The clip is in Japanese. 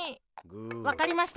わかりました！